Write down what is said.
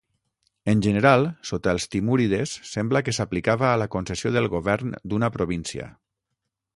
En general sota els timúrides sembla que s'aplicava a la concessió del govern d'una província.